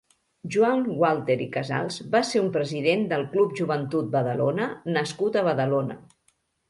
Joan Walter i Casals va ser un president del Club Joventut Badalona nascut a Badalona.